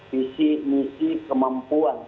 visi misi kemampuan